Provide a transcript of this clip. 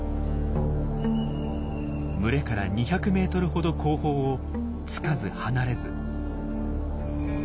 群れから２００ｍほど後方をつかず離れず。